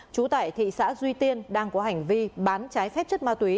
trú tại thị xã duy tiên đang có hành vi bán trái phép chất ma túy